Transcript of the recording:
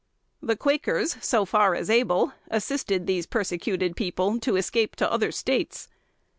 The Quakers, so far as able, assisted these persecuted people to escape to other States.